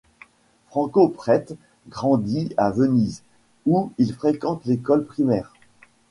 Franco Prete grandit à Venise, où il fréquente l'école primaire.